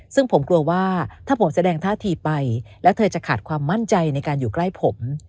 ซึ่งผมกลัวว่าถ้าผมแสดงท่าทีไปแล้วเธอจะขาดความมั่นใจในการอยู่ใกล้ผม